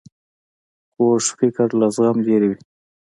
کوږ فکر له زغم لیرې وي